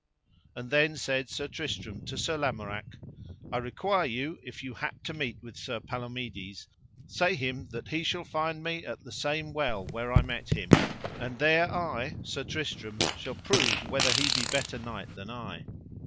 And then said Sir Tristram to Sir Lamorak: I require you if ye hap to meet with Sir Palomides, say him that he shall find me at the same well where I met him, and there I, Sir Tristram, shall prove whether he be better knight than I.